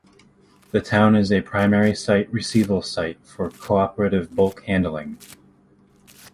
The town is a primary site receival site for Cooperative Bulk Handling.